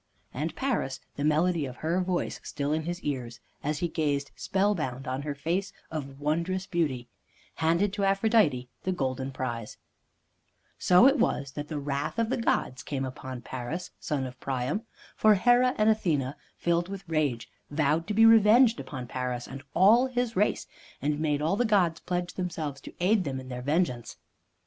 And Paris, the melody of her voice still in his ears, as he gazed spellbound on her face of wondrous beauty, handed to Aphrodite the golden prize. So was it that the wrath of the gods came upon Paris, son of Priam. For Hera and Athene, filled with rage, vowed to be revenged upon Paris and all his race, and made all the gods pledge themselves to aid them in their vengeance.